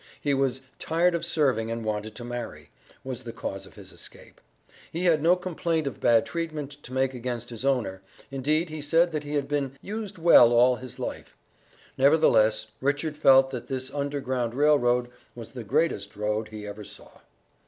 He was "tired of serving, and wanted to marry," was the cause of his escape. He had no complaint of bad treatment to make against his owner; indeed he said, that he had been "used well all his life." Nevertheless, Richard felt that this Underground Rail Road was the "greatest road he ever saw."